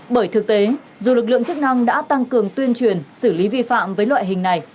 bởi thực tế dù lực lượng chức năng đã tăng cường tuyên truyền xử lý vi phạm với loại hình này